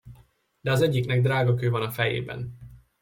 De az egyiknek drágakő van a fejében.